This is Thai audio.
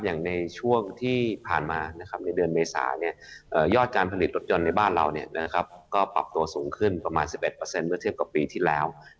ยอดการผลิตรถยนต์ในบ้านเราก็ปรับตัวสูงขึ้นประมาณ๑๑เมื่อเทียบกับปีที่แล้ว